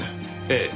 ええ。